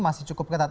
masih cukup ketat